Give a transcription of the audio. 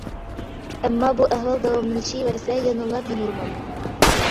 ئەمما بۇ ئەھۋال داۋاملىشىۋەرسە يەنىلا بىنورمال.